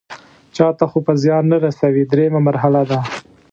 چاته خو به زیان نه رسوي دریمه مرحله ده.